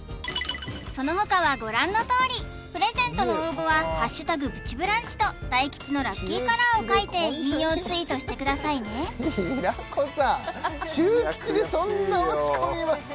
そのほかはご覧のとおりプレゼントの応募は「＃プチブランチ」と大吉のラッキーカラーを書いて引用ツイートしてくださいね平子さん中吉でそんな落ち込みますか？